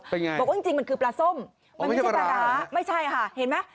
เป็นไงบอกว่าจริงมันคือปลาส้มมันไม่ใช่ปลาร้าไม่ใช่ค่ะเห็นไหม